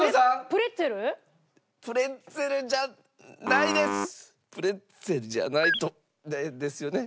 プレッツェルじゃないですよね？